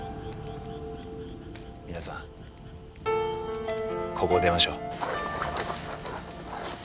皆さんここを出ましょう。